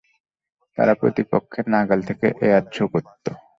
তারা প্রতিপক্ষের নাগাল থেকে এয়ার থ্রো করতো।